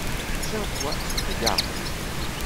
Tiens-toi sur tes gardes